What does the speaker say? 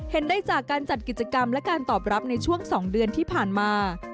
เห็นได้จากการจัดกิจกรรมและการตอบรับในช่วง๒เดือนที่ผ่านมา